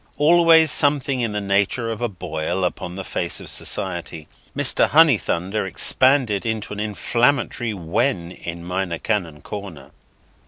Always something in the nature of a Boil upon the face of society, Mr. Honeythunder expanded into an inflammatory Wen in Minor Canon Corner.